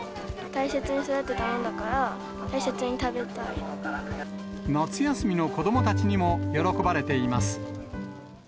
大切に育てたものだから、夏休みの子どもたちにも喜ばれています。